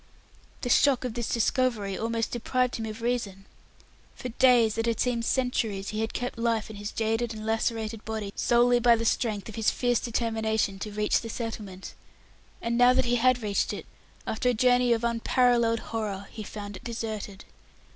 The shock of this discovery almost deprived him of reason. For days, that had seemed centuries, he had kept life in his jaded and lacerated body solely by the strength of his fierce determination to reach the settlement; and now that he had reached it, after a journey of unparalleled horror, he found it deserted.